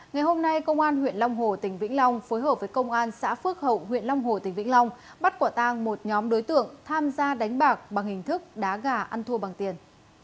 ngày hôm nay công an huyện long hồ tỉnh vĩnh long phối hợp với công an xã phước hậu huyện long hồ tỉnh vĩnh long bắt quả tang một nhóm đối tượng tham gia đánh bạc bằng hình thức đá gà ăn thua bằng tiền